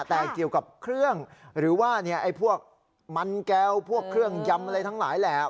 แต่เกี่ยวกับเครื่องหรือว่าพวกมันแก้วพวกเครื่องยำอะไรทั้งหลายแหละ